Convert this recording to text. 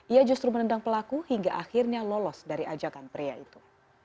ia justru menendang pelaku hingga akhirnya lolos dari ajakan pria itu